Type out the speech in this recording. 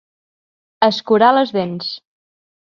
Escurar les dents.